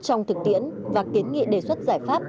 trong thực tiễn và kiến nghị đề xuất giải pháp